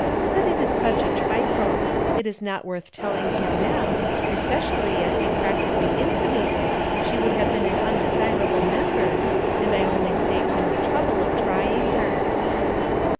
But it is such a trifle it is not worth telling him now, especially as he practically intimated she would have been an undesirable member, and I only saved him the trouble of trying her.")